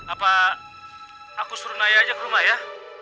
apa aku suruh naya aja ke rumah ya